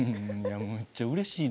むっちゃ、うれしいな。